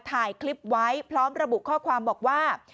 ถ่ายคลิปไว้พร้อมระบุข้อความบอกว่า